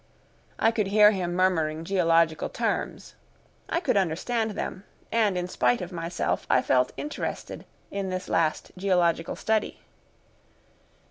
I could hear him murmuring geological terms. I could understand them, and in spite of myself I felt interested in this last geological study.